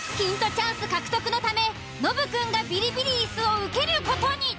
チャンス獲得のためノブくんがビリビリイスを受ける事に。